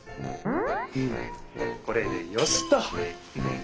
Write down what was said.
これでよしっと！